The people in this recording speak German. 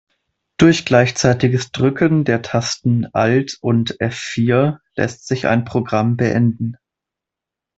Durch gleichzeitiges Drücken der Tasten Alt und F-vier lässt sich ein Programm beenden.